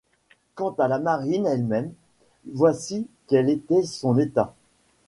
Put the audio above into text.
Quant à la marine elle-même, voici quel était son état.